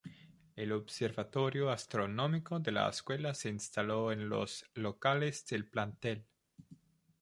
El observatorio astronómico de la escuela se instaló en los locales del plantel.